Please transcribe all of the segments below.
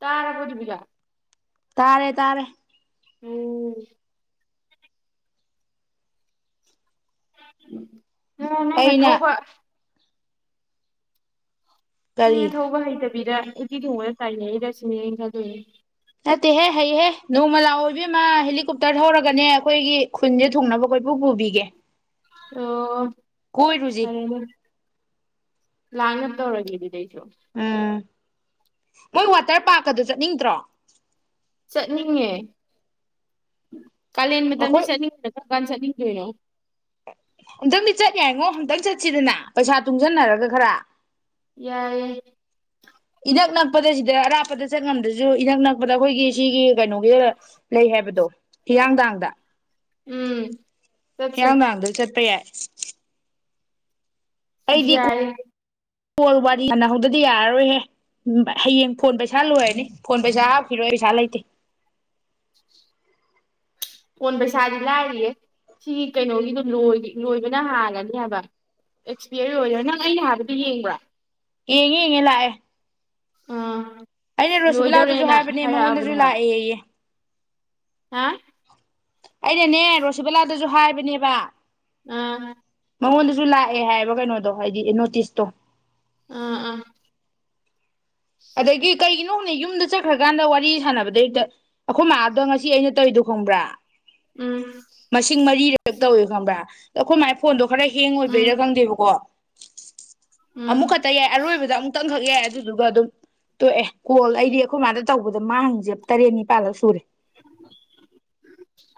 ꯇꯥꯔꯕ꯭ꯔꯣ ꯇꯥꯔꯦ ꯇꯥꯔꯦ ꯎꯝ [unintelligible] ꯎꯝ ꯅꯪꯅ ꯑꯩꯅ ꯊꯧꯕ ꯀꯔꯤ ꯅꯪꯅ ꯊꯧꯕ ꯍꯩꯇ ꯕꯤꯗ ꯎꯇꯤ ꯊꯣꯡꯕꯗ ꯇꯥꯏꯅꯔꯤꯔꯁꯤꯅꯤ ꯑꯩ ꯈꯟꯂꯨꯔꯦ ꯅꯠꯇꯦꯍꯦ ꯍꯩꯍꯦ ꯅꯣꯡꯃ ꯂꯥꯛꯑꯣ ꯏꯕꯦꯝꯃ ꯍꯦꯂꯤꯀꯣꯞꯇꯔ ꯊꯧꯔ ꯒꯅꯦ ꯑꯩꯈꯣꯏꯒꯤ ꯈꯨꯟꯁꯦ ꯊꯨꯡꯅꯕ ꯀꯣꯏꯄꯨ ꯄꯨꯕꯤꯒꯦ ꯑꯣ ꯀꯣꯏꯔꯨꯁꯤ ꯐꯔꯦꯅꯦ ꯂꯥꯛꯅꯕ ꯇꯧꯔꯒꯦ ꯑꯗꯨꯗꯩ ꯎꯝ ꯃꯣꯏ ꯋꯥꯇꯔ ꯄꯥꯔꯛ ꯀꯗꯨ ꯆꯠꯅꯤꯡꯗ꯭ꯔꯣ ꯆꯠꯅꯤꯡꯉꯦ ꯀꯂꯦꯟ ꯑꯩꯈꯣꯏ ꯃꯇꯝꯁꯤ ꯆꯠꯅꯤꯡꯗꯦꯗ ꯀꯥꯟ ꯆꯠꯅꯤꯡꯗꯣꯏꯅꯣ ꯑꯝꯇꯪꯗꯤ ꯆꯠ ꯌꯥꯏꯉꯣ ꯑꯝꯛꯇꯪ ꯆꯠꯁꯤꯗꯅ ꯄꯩꯁꯥ ꯇꯨꯡꯁꯤꯟꯅꯔꯒ ꯈꯔ ꯌꯥꯏ ꯏꯅꯛ ꯅꯛꯄꯗ ꯁꯤꯗ ꯑꯔꯥꯞꯄꯗ ꯆꯠ ꯉꯝꯗ꯭ꯔꯁꯨ ꯏꯅꯛ ꯅꯛꯄꯗ ꯑꯩꯈꯣꯏꯒꯤ ꯁꯤꯒꯤ ꯀꯩꯅꯣꯒꯤ ꯂꯩ ꯍꯥꯏꯕꯗꯣ ꯍꯤꯌꯥꯡꯊꯥꯡꯗ ꯎꯝ ꯆꯠꯁꯦ ꯍꯤꯌꯥꯡꯊꯥꯡꯗ ꯆꯠꯄ ꯌꯥꯏ [unintelligible] ꯑꯩꯗꯤ ꯌꯥꯏꯌꯦ ꯐꯣꯟ ꯋꯥꯔꯤ ꯁꯥꯟꯅꯍꯧꯗꯗꯤ ꯌꯥꯔꯔꯣꯏꯍꯦ ꯍꯌꯦꯡ ꯐꯣꯟ ꯄꯩꯁꯥ ꯂꯣꯏꯔꯅꯤ ꯐꯣꯟ ꯄꯩꯁꯥ ꯍꯥꯞꯈꯤꯔꯣꯏ ꯄꯩꯁꯥ ꯂꯩꯇꯦ ꯐꯣꯟ ꯄꯩꯁꯥꯗꯤ ꯂꯥꯏꯔꯤꯌꯦ ꯁꯤꯒꯤ ꯀꯩꯅꯣꯒꯤꯗꯣ ꯂꯣꯏꯕꯅ ꯍꯥꯡꯂꯅꯤ ꯍꯥꯏꯕ ꯑꯦꯛꯁꯄꯤꯌꯔ ꯑꯣꯏꯔ ꯅꯪ ꯑꯩꯅ ꯍꯥꯏꯕꯗꯨ ꯌꯦꯡꯕ꯭ꯔꯥ ꯌꯦꯡꯉꯦ ꯌꯦꯉꯦ ꯂꯥꯛꯑ ꯑꯥ ꯑꯩꯅ ꯔꯣꯁꯤꯕꯤꯂꯥꯗꯁꯨ ꯂꯣꯏꯗꯧꯔꯦꯅ ꯍꯥꯏꯕꯅꯦ ꯃꯉꯣꯟꯗꯁꯨ ꯍꯥꯏꯔꯛꯑꯕꯅꯦ ꯍꯥꯏꯕ ꯂꯥꯛꯑꯦꯌꯦ ꯍꯥ ꯑꯩꯅꯅꯦ ꯔꯣꯁꯤꯕꯂꯥꯗꯁꯨ ꯍꯥꯏ ꯕꯅꯦꯕ ꯑ ꯃꯉꯣꯟꯗꯁꯨ ꯂꯥꯛꯑꯦ ꯍꯥꯏꯌꯦꯕ ꯀꯩꯅꯣꯗꯣ ꯍꯥꯏꯗꯤ ꯅꯣꯇꯤꯁꯇꯣ ꯑꯥ ꯑꯥ ꯑꯗꯒꯤ ꯀꯩꯒꯤ ꯅꯣꯛꯅ ꯌꯨꯝꯗ ꯆꯠꯈ꯭ꯔꯀꯥꯟꯗ ꯋꯥꯔꯤ ꯁꯥꯟꯅꯕꯗꯩ ꯍꯦꯛꯇ ꯑꯩꯈꯣꯏ ꯃꯥ ꯗꯣ ꯉꯁꯤ ꯑꯩꯅ ꯇꯧꯔꯤꯗꯣ ꯈꯪꯕ꯭ꯔꯥ ꯎꯝ ꯃꯁꯤꯡ ꯃꯔꯤꯔꯛ ꯇꯧꯏ ꯈꯪꯕ꯭ꯔ ꯑꯩꯈꯣꯏ ꯃꯥ ꯐꯣꯟꯗꯣ ꯈꯔ ꯍꯦꯡ ꯎꯝ ꯑꯣꯏꯕꯩꯔꯥ ꯈꯟꯗꯦꯕꯀꯣ ꯑꯃꯨꯛ ꯎꯝ ꯈꯛꯇ ꯌꯥꯏ ꯑꯔꯣꯏꯕꯗ ꯑꯃꯨꯛꯇꯪꯈꯛ ꯌꯥꯏ ꯑꯗꯨꯗꯨꯒ ꯑꯗꯨꯝ ꯇꯣꯛꯑꯦ ꯀꯣꯜ ꯑꯩꯗꯤ ꯑꯩꯈꯣꯏ ꯃꯥꯗ ꯇꯧꯕꯗ ꯃꯥꯡꯏꯁꯦ ꯇꯔꯦꯠ ꯅꯤꯄꯥꯜꯂꯛꯁꯨꯔꯦ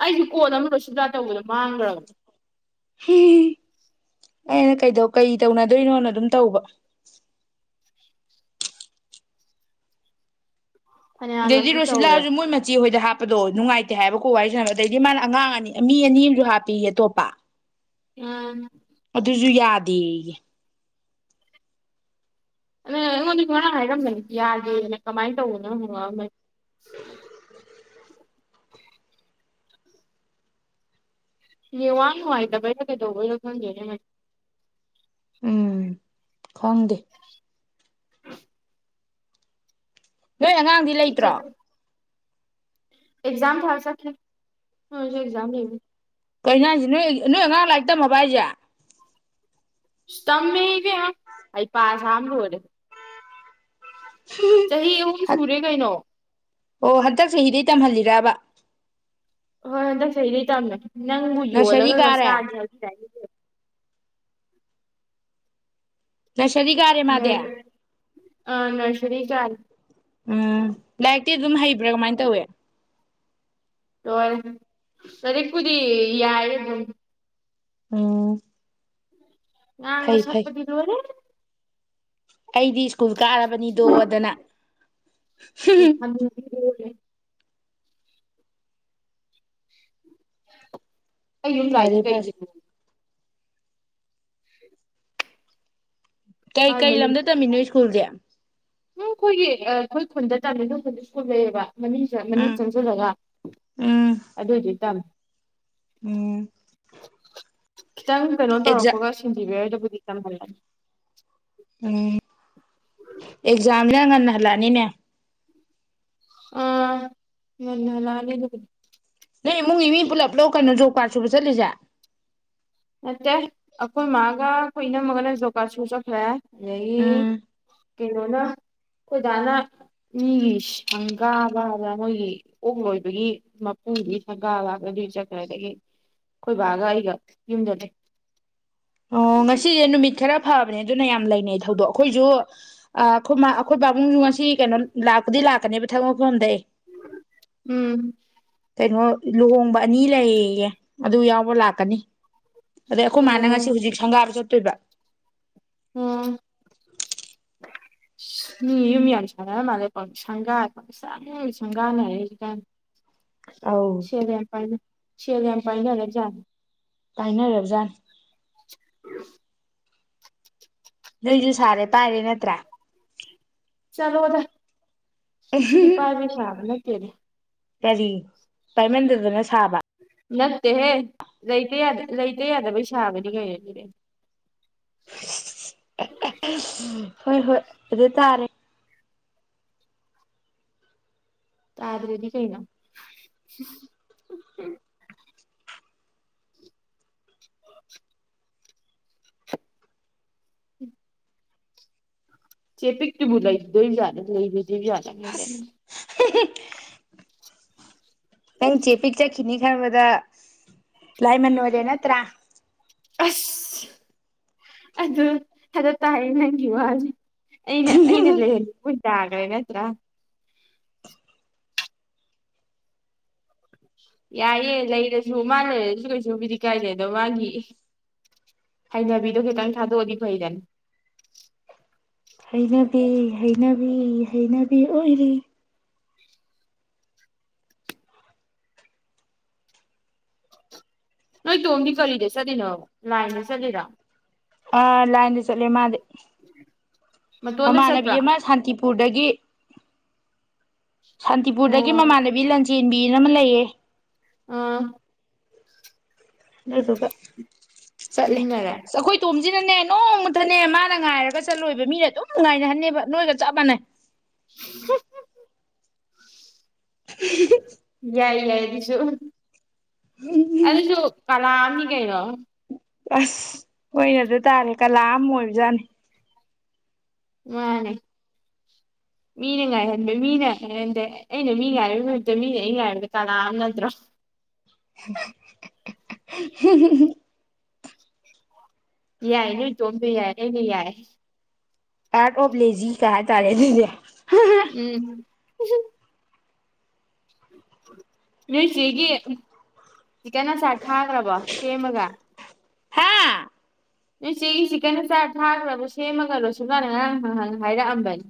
ꯑꯩꯁꯨ ꯀꯣꯟ ꯑꯃ ꯔꯣꯁꯤꯕꯂꯥ ꯇꯧꯕꯗꯣ ꯃꯥꯡꯈ꯭ꯔꯕꯅꯦ ꯑꯩꯅ ꯀꯩ ꯀꯩ ꯇꯧꯅꯗꯣꯏꯅꯣꯅ ꯑꯗꯨꯝ ꯇꯧꯕ ꯗꯩꯗꯤ ꯐꯅꯌꯥꯝꯂꯛꯇꯤ ꯇꯧꯔꯦ ꯔꯣꯁꯤꯕꯥꯜꯁꯨ ꯃꯣꯏ ꯃꯆꯤ ꯍꯣꯏ ꯍꯥꯞꯄꯗꯣ ꯅꯨꯡꯉꯥꯏꯇꯦ ꯍꯥꯏꯕꯀꯣ ꯋꯥꯔꯤꯁꯥꯅꯕ ꯑꯗꯩꯗꯤ ꯃꯥꯅ ꯑꯉꯥꯡ ꯑꯅꯤ ꯃꯤ ꯑꯅꯤ ꯑꯃꯁꯨ ꯍꯥꯞꯄꯤꯌꯦ ꯑꯇꯣꯞꯄ ꯑ ꯗꯦꯌꯦ ꯑ ꯑꯩꯉꯣꯟꯗꯁꯨ ꯉꯔꯥꯡ ꯍꯥꯏꯔꯝꯃꯦ ꯌꯥꯗꯦꯅ ꯀꯃꯥꯏꯅ ꯇꯧꯕꯅꯪ ꯍꯪꯉꯛꯑꯝꯕꯟ ꯅꯦꯠꯋꯥꯛ ꯅꯨꯡꯉꯥꯏꯇꯕꯩꯩꯔ ꯀꯩꯗꯧꯕꯩꯅꯣ ꯈꯪꯗꯦꯅꯦ ꯎꯝ ꯈꯪꯗꯦ [unintelligible] ꯅꯣꯏ ꯑꯉꯥꯡꯗꯤ ꯁꯠ ꯂꯩꯇ꯭ꯔꯣ ꯁꯠ ꯑꯦꯛꯖꯥꯝ ꯊꯥ ꯆꯠꯈꯤ ꯀꯩꯅꯣ ꯍꯥꯏꯁꯦ ꯅꯣꯏ ꯅꯣꯏ ꯑꯉꯥꯡ ꯂꯥꯛꯔꯤꯛꯇꯝꯃꯕꯣ ꯍꯥꯏꯁꯦ ꯏꯁꯇꯝꯃꯦ ꯍꯦ ꯏꯕꯦꯝꯃ ꯍꯩꯄ ꯁꯥꯕꯅ ꯂꯣꯏꯔꯦ ꯆꯍꯤ ꯑꯍꯨꯝ ꯁꯨꯔꯦ ꯀꯩꯅꯣ ꯑꯣ ꯍꯟꯗꯛ ꯆꯍꯤ ꯗꯩ ꯇꯝꯍꯜꯂꯤꯔꯕ ꯍꯣꯏ ꯍꯟꯗꯛ ꯆꯍꯤꯗꯩ ꯇꯝꯃꯦ ꯅꯪꯕꯨ ꯅꯁꯔꯤ ꯌꯣꯜꯂꯒꯒ ꯀꯥꯔꯦ ꯆꯥꯅꯤ ꯍꯥꯏ ꯅꯁꯔꯤ ꯀꯥꯔꯦ ꯃꯥꯗꯤ ꯅꯔ ꯑ ꯅꯔꯁꯔꯤ [unintelligible] ꯎꯝ ꯂꯥꯏꯔꯤꯛꯇꯤ ꯑꯗꯨꯝ ꯍꯩꯕ꯭ꯔ ꯀꯃꯥꯏꯅ ꯇꯧꯏ ꯂꯣꯏꯔꯦ ꯂꯥꯏꯔꯤꯛꯄꯨꯗꯤ ꯌꯥꯏ ꯑꯗꯨꯝ ꯎꯝ ꯉꯥꯡꯕ ꯐꯩ ꯐꯩ ꯁꯛꯄꯗꯤ ꯂꯣꯏꯔꯦ ꯑꯩꯗꯤ ꯁ꯭ꯀꯨꯜ ꯀꯥꯔꯕꯅꯤꯗꯣꯗꯅ [unintelligible] [unintelligible] ꯑꯩ ꯌꯨꯝ ꯐꯔꯦ ꯂꯥꯛꯏꯁꯤ ꯐꯔꯦ ꯀꯩꯒꯤꯅꯣ ꯀꯩ ꯃꯥꯏ ꯀꯩ ꯂꯝꯗ ꯃꯌꯨꯝꯁꯦ ꯇꯝꯃꯤꯅꯣ ꯁ꯭ꯀꯨꯜꯁꯦ ꯎꯝ ꯑꯩꯈꯣꯏꯒꯤ ꯑꯩꯈꯣꯏ ꯈꯨꯟꯗ ꯇꯥꯃꯤ ꯑꯩꯈꯣꯏ ꯈꯨꯟꯗ ꯁ꯭ꯀꯨꯜ ꯂꯩꯌꯦꯕ ꯃꯅꯨꯡ ꯃꯅꯨꯡ ꯎꯝ ꯆꯪꯁꯤꯜꯂꯒ ꯎꯝ ꯑꯗꯨꯏꯗꯤ ꯇꯝꯃꯦ ꯎꯝ [unintelligible] ꯈꯤꯇꯪ ꯀꯩꯅꯣ ꯑꯦꯛꯖꯥ ꯇꯧꯔꯛꯄꯒ ꯁꯦꯟꯖꯤꯕꯤꯌꯔꯗꯕꯨꯗꯤ [unintelligible] ꯎꯝ ꯑꯦꯛꯖꯥꯝꯗ ꯉꯟꯅ ꯍꯜꯂꯛꯑꯅꯤꯅꯦ ꯑꯥ ꯉꯟꯅ ꯍꯜꯂꯛꯑꯅꯤ ꯑꯗꯨꯕꯨꯗꯤ ꯅꯣꯏ ꯏꯃꯨꯡꯒꯤ ꯃꯤ ꯄꯨꯂꯞ ꯀꯩꯅꯣ ꯖꯣꯕ ꯀꯥꯔꯠ ꯁꯨꯕ ꯆꯠꯂꯤꯁꯦ ꯅꯠꯇꯦ ꯑꯩꯈꯣꯏ ꯃꯥꯒ ꯑꯩꯈꯣꯏ ꯏꯅꯃꯒꯅꯦ ꯖꯣꯕ ꯀꯥꯔꯠ ꯁꯨꯕ ꯆꯠꯈ꯭ꯔꯦ ꯎꯝ [unintelligible] ꯀꯩꯅꯣꯅ ꯑꯩꯈꯣꯏꯗꯥꯅ ꯃꯤꯒꯤ ꯁꯪꯒꯥꯕ ꯍꯥꯏꯕ꯭ꯔ ꯃꯣꯏꯒꯤ ꯑꯣꯛ ꯂꯣꯏꯕꯒꯤ ꯃꯄꯨꯗꯨꯒꯤ ꯁꯪꯒꯥꯕ ꯑꯗꯨꯏ ꯆꯠꯈ꯭ꯔꯦ ꯑꯗꯒꯤ ꯈꯣꯏꯕꯥꯒ ꯑꯩꯒ ꯌꯨꯝꯗ ꯂꯩ ꯑꯣ ꯉꯁꯤꯁꯦ ꯅꯨꯃꯤꯠ ꯈꯔ ꯐꯕꯅꯦ ꯑꯗꯨꯅ ꯌꯥꯝ ꯂꯩꯅꯩ ꯊꯧꯗꯣꯛ ꯑꯩꯈꯣꯏꯁꯨ ꯑꯩꯈꯣꯏ ꯑꯩꯈꯣꯏ ꯄꯥꯕꯨꯡꯁꯨ ꯉꯁꯤ ꯀꯩꯅꯣ ꯂꯥꯛꯄꯗꯤ ꯂꯥꯛꯀꯅꯦꯕ ꯊꯕꯛ ꯃꯐꯝꯗꯩ ꯎꯝ ꯀꯩꯅꯣ ꯂꯨꯍꯣꯡꯕ ꯑꯅꯤ ꯂꯩꯑꯦꯌꯦ ꯑꯗꯨ ꯌꯥꯎꯕ ꯂꯥꯛꯀꯅꯤ ꯑꯗꯩ ꯑꯩꯈꯣꯏ ꯃꯥ ꯅ ꯑꯣ ꯉꯁꯤ ꯍꯧꯖꯤꯛ ꯁꯪꯒꯥ ꯆꯠꯇꯣꯏꯕ ꯑꯣ ꯃꯤ ꯌꯨꯝ ꯌꯥꯝ ꯁꯥꯅꯔ ꯃꯥꯂꯦ ꯄꯥꯎ ꯁꯪꯒꯥꯕ ꯁꯪꯒꯥꯅꯔꯦ ꯍꯧꯖꯤꯛꯀꯥꯟ ꯑꯧ ꯁꯦꯜ ꯌꯥꯝ ꯄꯥꯏꯕꯩ ꯁꯦꯜ ꯌꯥꯝ ꯄꯥꯏꯅꯔꯖꯥꯠꯅꯤ ꯄꯥꯏꯅꯔꯕꯖꯥꯠꯅꯤ [unintelligible] ꯅꯣꯏꯁꯨ ꯁꯥꯔꯦ ꯄꯥꯏꯔꯦ ꯅꯠꯇ꯭ꯔꯥ ꯆꯂꯣꯗ ꯁꯤꯗꯤꯄꯥꯥꯕꯩ ꯁꯥꯕ ꯅꯠ ꯇꯦ ꯀꯔꯤ ꯄꯥꯏꯃꯟꯗꯗꯅ ꯁꯥ ꯅꯠꯇꯦꯍꯦ ꯂꯩꯇ ꯌꯥꯗ ꯂꯩꯇ ꯌꯥꯗꯕꯩ ꯁꯥꯕꯅꯤ ꯀꯩꯅꯣ ꯁꯤꯗꯤ ꯍꯣꯏ ꯍꯣꯏ ꯑꯗꯨ ꯇꯥꯔꯦ ꯇꯥꯗ꯭ꯔꯗꯤ ꯀꯩꯅꯣ [unintelligible] ꯎꯝ ꯆꯦ ꯄꯤꯛꯇꯨ ꯂꯩꯗꯦꯏ ꯖꯥꯠꯂ ꯂꯩꯔꯣꯏꯗꯣꯏ ꯖꯥꯠꯂ ꯅꯪ ꯆꯦ ꯄꯤꯛ ꯆꯠꯈꯤꯅꯤ ꯈꯟꯕꯗ ꯂꯥꯏꯃꯟ ꯑꯣꯏꯔꯦ ꯅꯠꯇ꯭ꯔꯥ ꯑꯁ ꯑꯗꯨ ꯑꯗꯨꯇꯥꯏꯌꯦ ꯅꯪꯒꯤ ꯋꯥꯁꯦ ꯑꯩꯅ ꯑꯩꯅ ꯂꯩꯍꯟꯕ ꯇꯈ꯭ꯔꯦ ꯅꯠꯇ꯭ꯔꯥ ꯌꯥꯏꯌꯦ ꯂꯩꯔꯁꯨ ꯃꯥ ꯂꯩꯔꯁꯨ ꯀꯩꯁꯨꯕꯨꯗꯤ ꯀꯥꯏꯗꯦ ꯑꯗꯣ ꯃꯥꯒꯤ ꯍꯩꯅꯕꯤꯗꯣ ꯈꯤꯇꯪ ꯊꯥꯗꯣꯛꯑꯗꯤ ꯐꯩꯗꯅ ꯍꯩꯅꯕꯤ ꯍꯩꯅꯕꯤ ꯍꯩꯅꯕꯤ ꯑꯣꯏꯔꯦ ꯅꯣꯏ ꯇꯣꯝꯗꯤ ꯀꯔꯤꯗ ꯆꯠꯂꯤꯅꯣ ꯂꯥꯏꯟꯗ ꯆꯠꯂꯤꯔꯣ ꯑ ꯂꯥꯏꯟ ꯆꯠꯂꯦ ꯃꯥꯗꯤ ꯃꯇꯣꯟꯗ ꯃꯃꯥꯟꯅꯕꯤ ꯆꯠꯄ꯭ꯔꯥ ꯑꯃ ꯁꯥꯟꯇꯤꯄꯨꯔꯗꯒꯤ ꯁꯥꯟꯇꯤꯄꯨꯔꯗꯒꯤ ꯑꯣ ꯃꯃꯥꯟꯅꯕꯤ ꯂꯟ ꯆꯦꯟꯕꯤꯅ ꯑꯃ ꯂꯩꯌꯦ ꯑꯥ ꯑꯗꯨꯒ ꯆꯠꯂꯦ ꯆꯠꯃꯤꯟꯅꯔꯦ ꯑꯩꯈꯣꯏ ꯇꯣꯝꯁꯤꯅꯅꯦ ꯅꯣꯡꯃꯇꯅꯦ ꯃꯥꯅ ꯉꯥꯏꯔꯒ ꯆꯠꯂꯣꯏꯕ ꯃꯤꯅ ꯑꯗꯨꯝ ꯉꯥꯏꯅꯍꯟꯅꯦꯕ ꯅꯣꯏꯒ ꯆꯞ ꯃꯥꯟꯅꯩ [unintelligible] ꯌꯥꯏ [unintelligible] ꯌꯥꯏ ꯑꯗꯨꯁꯨ ꯑꯗꯨꯁꯨ ꯀꯂꯥ ꯀꯤ ꯀꯩꯅꯣ ꯑꯁ ꯍꯣꯏ ꯑꯗꯨ ꯇꯥꯃꯤ ꯀꯂꯥ ꯑꯃ ꯑꯣꯏꯕꯖꯥꯠꯅꯤ ꯃꯥꯅꯦ ꯃꯤꯅ ꯉꯥꯏꯍꯟꯕ ꯃꯤꯅ ꯉꯥꯏꯍꯟꯗꯦ ꯑꯩꯅ ꯃꯤ ꯉꯥꯕꯩ ꯃꯍꯨꯠꯇ ꯃꯤꯅ ꯑꯩ ꯉꯥꯏꯕ ꯀꯂꯥ ꯑꯃ ꯅꯠꯇ꯭ꯔꯣ [unintelligible] [unintelligible] ꯌꯥꯏ ꯅꯣꯏ ꯇꯣꯝꯗꯨ ꯌꯥꯏ ꯑꯩꯅ ꯌꯥꯏ ꯑꯥꯠ ꯑꯣꯐ ꯂꯦꯖꯤ ꯀꯥꯏ ꯍꯥꯏ ꯇꯥꯔꯦ ꯑꯗꯨꯗꯤ ꯎꯝ ꯅꯣꯏꯆꯦꯒꯤ ꯆꯤꯛꯀꯟ ꯑꯆꯥꯥꯔ ꯊꯥꯈ꯭ꯔꯕꯣ ꯁꯦꯝꯃꯒ ꯍꯥ ꯅꯣꯏ ꯆꯦꯒꯤ ꯆꯤꯀꯟꯟꯅ ꯆꯥꯔ ꯊꯥꯈ꯭ꯔꯕ꯭ꯔꯣ ꯁꯦꯝꯃꯒ ꯔꯣꯁꯤꯕꯂꯥꯅ ꯉꯔꯥꯡ ꯍꯪ ꯍꯥꯏꯔꯛꯑꯝꯕꯅꯤ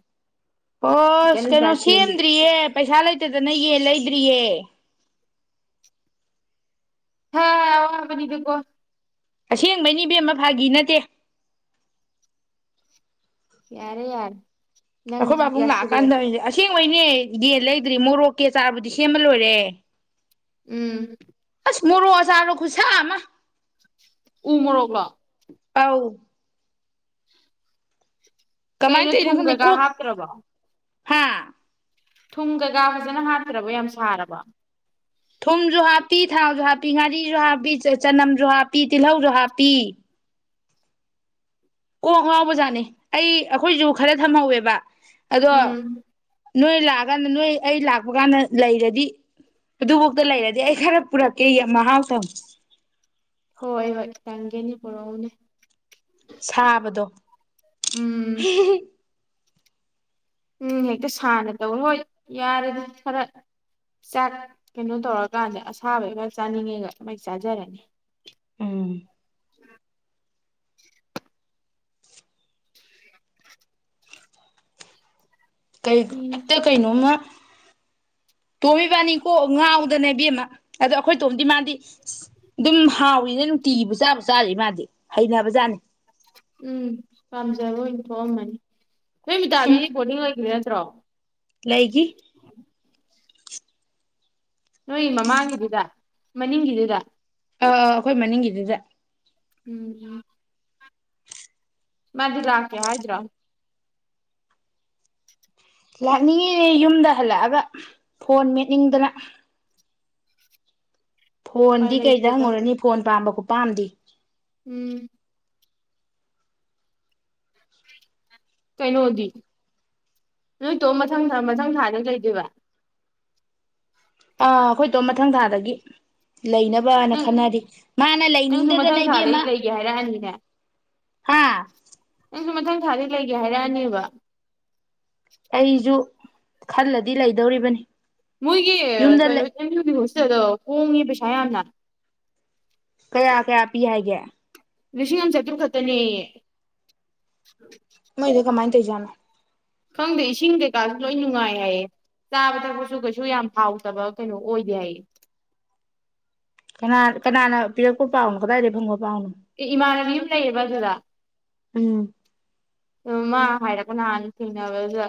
ꯑꯣ ꯆꯤꯛꯀꯟ ꯀꯩꯅꯣ ꯑꯆꯥꯔ ꯁꯦꯝꯃꯤ ꯁꯦꯝꯗ꯭ꯔꯤꯌꯦ ꯄꯩꯁꯥ ꯂꯩꯇꯗꯅ ꯌꯦꯟ ꯂꯩꯗ꯭ꯔꯤꯌꯦ ꯍꯥ ꯑꯋꯥꯕꯅꯤꯗ ꯀꯣ ꯑꯁꯦꯡꯕꯩꯅꯤ ꯏꯕꯦꯝꯃ ꯐꯥꯒꯤ ꯅꯠꯇꯦ ꯌꯥꯔꯦ ꯌꯥꯔꯦ ꯑꯈꯣꯏ ꯅꯪ ꯄꯥꯕꯨꯡ ꯌꯥꯁꯤꯜꯂꯦ ꯉꯥꯛꯑꯀꯥꯟꯗꯦ ꯑꯁꯦꯡ ꯑꯣꯏꯅꯦ ꯌꯦꯟ ꯂꯩꯗ꯭ꯔꯤ ꯃꯣꯔꯣꯛꯀꯤ ꯑꯆꯥꯔꯕꯨꯗꯤ ꯁꯦꯝꯕ ꯂꯣꯏꯔꯦ ꯎꯝ ꯃꯣꯔꯣꯛ ꯑꯥꯆꯔ ꯈꯨꯠ ꯁꯥ ꯑꯃ ꯎꯃꯣꯔꯣꯛꯂꯣ ꯑꯧ ꯀꯃꯥꯏꯅ ꯀꯩꯅꯣ ꯇꯧꯔꯤꯅꯣ ꯊꯨꯝ ꯈꯪꯗꯦ ꯀꯩꯀꯥ ꯀꯣꯛ ꯍꯥꯞꯇ꯭ꯔꯕꯣ ꯍꯥ ꯊꯨꯝ ꯀꯩꯀ ꯐꯖꯅ ꯍꯥꯠꯇ꯭ꯔꯕ ꯌꯥꯝ ꯁꯥꯔꯕ ꯊꯨꯨꯝꯁꯨ ꯍꯥꯄꯤ ꯊꯥꯎꯁꯨ ꯍꯥꯄꯤꯉꯥꯔꯤ ꯍꯥꯞꯄꯤ ꯆꯅꯝꯁꯨ ꯍꯥꯞꯄꯤ ꯄꯤ ꯇꯤꯜꯍꯧꯁꯨ ꯍꯥꯞꯄꯤ ꯀꯣꯛ ꯉꯥꯎꯕꯖꯥꯠꯅꯤ ꯑꯩ ꯑꯩꯈꯣꯏꯁꯨ ꯈꯔ ꯊꯝꯍꯧꯋꯦꯕ ꯑꯗꯣ ꯎꯨꯝ ꯅꯣꯏ ꯂꯥꯛꯑꯀꯥꯟꯗ ꯅꯣꯏ ꯑꯩ ꯂꯥꯛꯄ ꯀꯥꯟꯗ ꯂꯩꯔꯗꯤ ꯑꯗꯨꯐꯥꯎꯗ ꯂꯩꯔꯗꯤ ꯑꯩ ꯈꯔ ꯄꯨꯔꯛꯀꯦ ꯌꯥꯟ ꯃꯍꯥꯎ ꯇꯪ ꯍꯣꯏ-ꯍꯣꯏ ꯇꯪꯒꯦꯅꯤ ꯄꯨꯔꯛꯎꯨꯅꯦ ꯁꯥꯕꯗꯣ ꯎꯝ ꯍꯤ ꯍꯤ ꯍꯤ ꯎꯨꯝ ꯍꯦꯛꯇ ꯁꯥꯥꯟꯅ ꯇꯧ ꯍꯣꯏ ꯌꯥꯔꯦꯗ ꯈꯔ ꯆꯥꯛ ꯀꯩꯅꯣ ꯇꯧꯔꯀꯥꯟꯗ ꯑꯁꯥꯕꯩꯒ ꯆꯥꯅꯤꯡꯉꯦꯒ ꯃꯩ ꯆꯥꯖꯔꯅꯤ ꯎꯨ ꯎꯝ ꯇꯣꯛ [inaudible] ꯀꯩ ꯎꯝ ꯑꯇꯩ ꯀꯩꯅꯣꯝꯃꯥ ꯇꯣꯃ ꯏꯕꯥꯟꯅꯤ ꯀꯣꯛ ꯉꯥꯎ ꯗꯅ ꯏꯕꯦꯝꯃꯥ ꯑꯗꯣ ꯑꯩꯈꯣꯏ ꯇꯣꯝꯗꯤ ꯃꯥꯗꯤ ꯑꯁ ꯑꯗꯨꯝ ꯍꯥꯎꯋꯤꯅ ꯅꯨꯡꯇꯤꯕꯨ ꯆꯥꯕꯨ ꯆꯥꯔꯤ ꯃꯥꯗꯤ ꯍꯩꯅꯕ ꯖꯥꯠꯅꯤ ꯎꯨꯝ ꯄꯥꯝꯖꯕ ꯑꯣꯏꯅ ꯊꯣꯛꯑꯝꯃꯅꯤ ꯅꯣꯏ ꯃꯤꯗꯥꯗꯤ ꯍꯨꯝ ꯕꯣꯔꯗꯤꯡ ꯂꯩꯒ꯭ꯔꯦꯅ ꯇꯔꯣ ꯂꯩꯒꯤ ꯅꯣꯏ ꯃꯃꯥꯡꯒꯤꯗꯨꯗ ꯃꯅꯤꯡꯒꯤꯗꯨꯗ ꯑꯥ ꯑꯩꯈꯣꯏ ꯃꯅꯤꯡꯒꯤꯗꯨꯗ ꯎꯨꯝ ꯎꯨꯝ ꯃꯥꯗꯤ ꯂꯥꯛꯀꯦ ꯍꯥꯏꯗ꯭ꯔꯣ ꯂꯥꯛꯅꯤꯡꯉꯦ ꯌꯨꯝꯗ ꯍꯜꯂꯛꯑꯒ ꯐꯣꯟ ꯃꯦꯠꯅꯤꯡꯗꯅ ꯎꯄꯥꯏ ꯐꯣꯟꯗꯤ ꯀꯩꯗ ꯂꯩꯇꯦꯗ ꯍꯪꯉꯨꯔꯅꯤ ꯐꯣꯟ ꯄꯥꯝꯕ ꯈꯨꯄꯥꯝꯗꯤ ꯎꯨꯝ ꯀꯩꯅꯣꯗꯤ ꯅꯣꯏ ꯇꯣꯝ ꯃꯊꯪ ꯃꯊꯪ ꯊꯥꯅ ꯂꯩꯗꯣꯏꯕ ꯑꯥ ꯑꯩꯈꯣꯏ ꯇꯣꯝ ꯃꯊꯪ ꯊꯥꯗꯒꯤ ꯂꯩꯅꯕꯅ ꯅꯪ ꯈꯟꯅꯔꯤ ꯃꯥꯅ ꯅꯪꯁꯨ ꯂꯩꯅꯤꯡꯗ꯭ꯔꯒꯅ ꯃꯊꯪ ꯊꯥꯗꯩ ꯏꯕꯦꯝꯃ ꯂꯩꯒꯦ ꯍꯥꯏꯔꯛꯑꯅꯤꯅꯦ ꯍꯥ ꯅꯪꯁꯨ ꯃꯊꯪ ꯊꯥꯗꯩ ꯂꯩꯒꯦ ꯍꯥꯏꯔꯛꯑꯅꯦꯕ ꯑꯩꯁꯨ ꯈꯜꯂꯗꯤ ꯂꯩꯗꯧꯔꯤꯕꯅꯤ ꯃꯣꯏꯒꯤ ꯌꯨꯝꯗ ꯀꯩꯅꯣ ꯂꯩ ꯑꯦꯝ ꯃꯨ ꯒꯤ ꯍꯣꯁ ꯇꯦꯜꯗꯣ ꯍꯣꯡꯉꯤ ꯄꯩꯁꯥ ꯌꯥꯝꯅ ꯀꯌꯥ-ꯀꯌꯥ ꯄꯤ ꯍꯥꯏꯒꯦ ꯂꯤꯁꯤꯡ ꯑꯝ ꯆꯥꯇ꯭ꯔꯨꯛ ꯈꯛꯇꯅꯦꯌꯦ ꯃꯣꯏꯗꯣ ꯀꯃꯥꯏꯅ ꯇꯧꯖꯥꯠꯅꯣ ꯇꯥꯡꯁꯨ ꯂꯣꯏ ꯅꯨꯡꯉꯥꯏ ꯍꯥꯏꯌꯦ ꯆꯥꯕ ꯊꯛꯄꯁꯨ ꯀꯩꯁꯨ ꯌꯥꯝ ꯍꯥꯎꯇꯕ ꯀꯩꯅꯣ ꯑꯣꯏꯗꯦ ꯍꯥꯏꯌꯦ ꯀꯅꯥ ꯀꯅꯥꯅ ꯄꯤꯔꯛꯄ ꯄꯥꯎꯅꯣ ꯀꯗꯥꯏꯗꯩ ꯐꯪꯕ ꯄꯥꯎꯅꯣ ꯑꯦ ꯏꯃꯥꯟꯅꯕꯤ ꯑꯃ ꯂꯩꯌꯦꯕ ꯑꯗꯨꯗ ꯎꯝ ꯃꯥ ꯍꯥꯏꯔꯛꯄ ꯅꯍꯥꯟ ꯊꯦꯡꯅꯕꯗ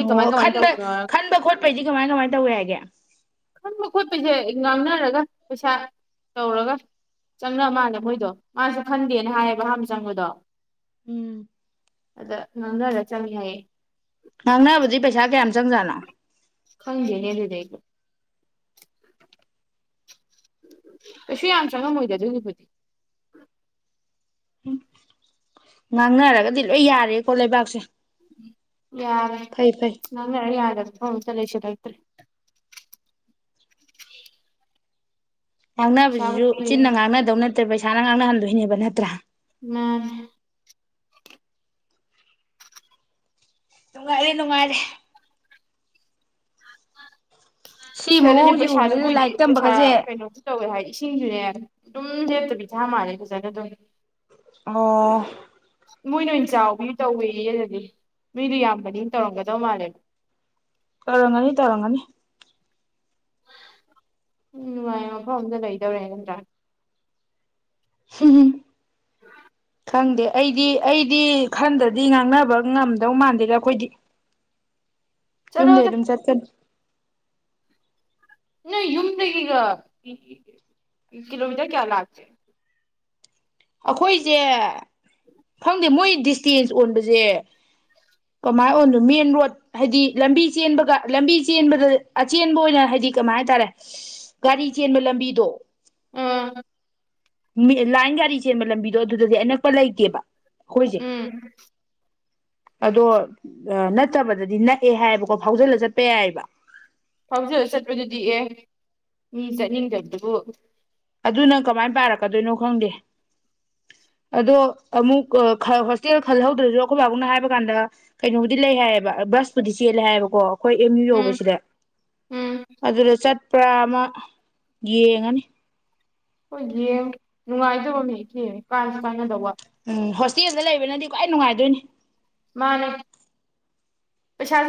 ꯑꯣ ꯀꯃꯥꯏꯅ ꯈꯟꯕ ꯇꯧꯕꯅꯣ ꯈꯟꯕ ꯈꯣꯠꯄꯩꯗꯤ ꯀꯃꯥꯏ ꯀꯃꯥꯏ ꯇꯧꯋꯦ ꯍꯥꯏꯒꯦ ꯈꯟꯕ ꯈꯣꯠꯄꯩꯖꯦ ꯉꯥꯡꯅꯔꯒ ꯄꯩꯁꯥ ꯇꯧꯔꯒ ꯆꯪꯅ ꯃꯥꯜꯂꯦ ꯃꯣꯏꯗꯣ ꯃꯥꯖꯨ ꯈꯟꯗꯦꯅ ꯍꯥꯏꯌꯦꯕ ꯑꯍꯥꯟꯕ ꯆꯪꯕꯗꯣ ꯎꯝ ꯑꯗ ꯉꯥꯡꯅꯔ ꯆꯪꯉꯤ ꯍꯥꯏꯌꯦ ꯉꯥꯡꯅꯕꯗꯤ ꯄꯩꯁꯥ ꯀꯌꯥꯝ ꯆꯪꯖꯥꯠꯅꯣ ꯈꯪꯗꯦꯅꯦ ꯑꯗꯨꯗꯩꯗꯤ ꯀꯩꯁꯨ ꯌꯥꯝ ꯆꯪꯉꯝꯃꯣꯏꯗꯦ ꯑꯗꯨꯒꯤꯕꯨꯗꯤ ꯎꯝ ꯉꯥꯡꯅꯔꯒꯗꯤ ꯂꯣꯏ ꯌꯥꯔꯦꯀꯣ ꯂꯩꯕꯥꯛꯁꯦ ꯌꯥꯔꯦ ꯐꯩ ꯐꯩ ꯉꯥꯡꯅꯔ ꯌꯥꯗꯕ ꯊꯕꯛ ꯑꯃꯇ ꯂꯩꯁꯤꯟꯂꯛ ꯄꯩꯁꯥꯕꯨ ꯉꯥꯡꯅꯕꯁꯤꯁꯨ ꯆꯤꯟꯅ ꯄꯤꯔꯤꯕ ꯉꯥꯡꯅꯗꯧ ꯅꯠꯇꯦ ꯄꯩꯁꯥ ꯄꯩꯁꯥꯅ ꯉꯥꯡꯅꯍꯟꯗꯣꯏꯅꯦꯕ ꯅꯠꯇ꯭ꯔꯥ ꯃꯥꯅꯦ ꯅꯨꯡꯉꯥꯏꯔꯦ ꯅꯨꯡꯉꯥꯏꯔꯦ ꯁꯤ [unintelligible] ꯃꯑꯣꯡꯁꯦ ꯄꯩꯁꯥꯗꯨ ꯎꯕꯁꯤꯗ ꯃꯣꯏꯗꯤ ꯂꯥꯏꯔꯤꯛ ꯄꯩꯁꯥ ꯇꯝꯕꯒꯁꯦ ꯀꯩꯅꯣꯁꯨ ꯇꯧꯋꯦ ꯍꯥꯏ ꯏꯁꯤꯡꯖꯨꯅꯦ ꯑꯗꯨꯝ ꯂꯦꯞꯇꯕꯤ ꯊꯥ ꯃꯥꯂꯦ ꯐꯖꯅ ꯑꯗꯨꯝ ꯑꯣ ꯃꯣꯏꯅ ꯑꯣꯏꯅ ꯆꯥꯎꯕꯤ ꯇꯧꯋꯦꯌꯦ ꯑꯗꯗꯤ ꯃꯤꯗꯨ ꯌꯥꯝꯕꯅꯤ ꯇꯧꯔꯝꯒꯗꯧ ꯃꯥꯜꯂꯦ ꯇꯧꯔꯝꯒꯅꯤ ꯇꯧꯔꯝꯒꯅꯤ ꯎꯝ ꯅꯨꯡꯉꯥꯏ ꯃꯐꯝ ꯑꯝꯗ ꯂꯩꯗꯧꯔꯦ ꯅꯠꯇ꯭ꯔ ꯍꯝꯍꯝ ꯈꯪꯗꯦ ꯑꯩꯗꯤ ꯑꯩꯗꯤ ꯈꯟꯗꯗꯤ ꯉꯥꯡꯅꯕ ꯉꯝꯗꯧ ꯃꯥꯟꯗꯦꯗ ꯑꯈꯣꯏꯗꯤ ꯌꯨꯝꯗꯩ ꯆꯠꯂꯣꯗ ꯑꯗꯨꯝ ꯆꯠꯀꯅꯤ ꯅꯣꯏ ꯌꯨꯝꯗꯩꯒꯤꯒ ꯀꯤ ꯀꯤ ꯀꯤꯂꯣꯃꯤꯇꯔ ꯀꯌꯥ ꯂꯥꯞꯀꯦ ꯑꯈꯣꯏꯖꯦ ꯈꯪꯗꯦ ꯃꯣꯏ ꯗꯤꯁꯇꯦꯟꯁ ꯑꯣꯟꯕꯖꯦ ꯀꯃꯥꯏ ꯑꯣꯟꯅꯣ ꯃꯦꯟ ꯔꯣꯗ ꯍꯥꯏꯗꯤ ꯂꯝꯕꯤ ꯆꯦꯟꯕꯒ ꯂꯝꯕꯤ ꯆꯦꯟꯕꯗ ꯑꯆꯦꯟꯕ ꯑꯣꯏꯅ ꯍꯥꯏꯗꯤ ꯀꯃꯥꯏ ꯍꯥꯏ ꯇꯥꯔꯦ ꯒꯥꯔꯤ ꯆꯦꯟꯕ ꯂꯝꯕꯤꯗꯣ [unintelligible] ꯃꯤ ꯂꯥꯏꯟꯒꯥꯔꯤ ꯆꯦꯟꯕ ꯂꯝꯕꯤꯗꯣ ꯑꯗꯨꯗꯗꯤ ꯑꯅꯛꯄ ꯂꯩꯇꯦꯕ ꯑꯩꯈꯣꯏꯁꯦ ꯎꯝ ꯑꯗꯣ ꯅꯠꯇꯕꯗꯗꯤ ꯅꯛꯑꯦ ꯍꯥꯏꯌꯦꯕꯀꯣ ꯐꯥꯎꯖꯤꯜꯂ ꯆꯠꯄ ꯌꯥꯏꯑꯕ ꯐꯥꯎꯖꯂ ꯆꯠꯄꯗꯨꯗꯤ ꯑꯦ ꯃꯤ ꯆꯠꯅꯤꯡꯗꯕꯗꯨꯕꯨ ꯑꯗꯨꯅ ꯀꯃꯥꯏꯅ ꯄꯥꯔꯛꯀꯗꯣꯏꯅꯣ ꯈꯪꯗꯦ ꯑꯗꯣ ꯑꯃꯨꯛ ꯍꯣꯁꯇꯦꯜ ꯈꯜꯍꯧꯗ꯭ꯔꯁꯨ ꯑꯩꯈꯣꯏ ꯕꯥꯕꯅ ꯍꯥꯏꯕ ꯀꯥꯟꯗ ꯀꯩꯅꯣꯕꯨꯗꯤ ꯂꯩ ꯍꯥꯏꯌꯦꯕ ꯕꯁꯄꯨꯗꯤ ꯆꯦꯜꯂꯦ ꯍꯥꯏꯌꯦꯕꯀꯣ ꯑꯩꯈꯣꯏ ꯑꯦꯝ ꯌꯨ ꯎꯝ ꯌꯧꯕꯁꯤꯗ ꯎꯝ ꯑꯗꯨꯗ ꯆꯠ ꯄꯔꯥ ꯑꯃ ꯌꯦꯡꯉꯅꯤ ꯍꯣꯏ ꯌꯦꯡ ꯅꯨꯡꯉꯥꯏꯗꯣꯕ ꯑꯃ ꯍꯦꯛ ꯌꯦꯡꯎ ꯀꯥꯟꯅꯗꯣꯕ ꯏꯁꯇꯦꯖꯗ ꯂꯩꯕꯅꯗꯤ ꯈ꯭ꯋꯥꯏ ꯅꯨꯡꯉꯥꯏꯗꯣꯏꯅꯤ ꯃꯥꯅꯦ ꯄꯩꯁꯥ